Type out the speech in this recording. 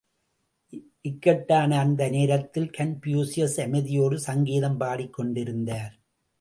இக்கட்டான அந்த நேரத்தில், கன்பூசியஸ் அமைதியோடு சங்கீதம் பாடிக்கொண்டிருந்தார்.